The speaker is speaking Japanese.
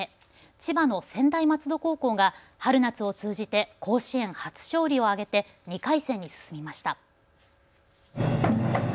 千葉の専大松戸高校が春夏を通じて甲子園初勝利を挙げて２回戦に進みました。